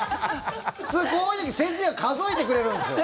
普通こういうふうに先生が数えてくれるんですよ。